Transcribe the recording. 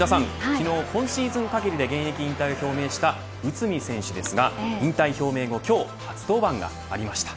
昨日、今シーズン限りで現役引退を表明した内海選手ですが引退表明後今日、初登板がありました。